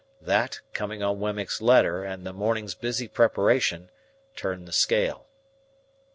That, coming on Wemmick's letter and the morning's busy preparation, turned the scale.